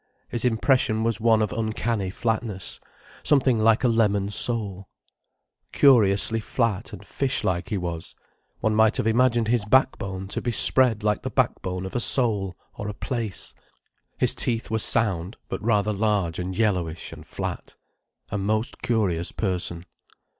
His impression was one of uncanny flatness, something like a lemon sole. Curiously flat and fish like he was, one might have imagined his backbone to be spread like the backbone of a sole or a plaice. His teeth were sound, but rather large and yellowish and flat. A most curious person.